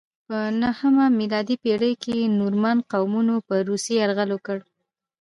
په نهمه میلادي پیړۍ کې نورمن قومونو پر روسیې یرغل وکړ.